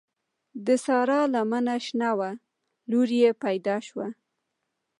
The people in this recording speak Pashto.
د سارا لمنه شنه شوه؛ لور يې پیدا شوه.